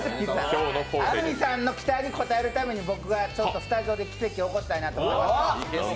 安住さんの期待に応えるために僕は今日、スタジオで奇跡起こしたいと思います。